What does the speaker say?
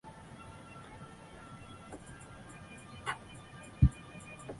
餐桌上有满满一大锅肉燥